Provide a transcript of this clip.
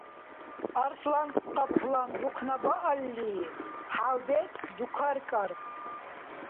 Арсланкъаплан бухънабаалли, хӀявбецӀ дукаркӀар.